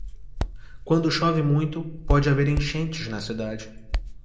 Quando chove muito, pode haver enchentes na cidade.